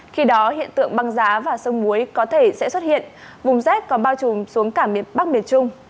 khi đó hiện tượng băng giá và sương muối có thể sẽ xuất hiện vùng rét còn bao trùm xuống cả miền bắc miền trung